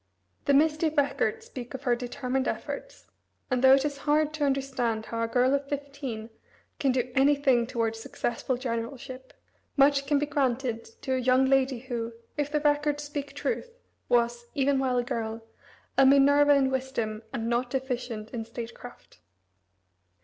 The misty records speak of her determined efforts, and though it is hard to understand how a girl of fifteen can do any thing toward successful generalship, much can be granted to a young lady who, if the records speak truth, was, even while a girl, "a Minerva in wisdom, and not deficient in statecraft."